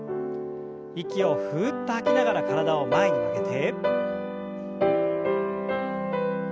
息をふっと吐きながら体を前に曲げて。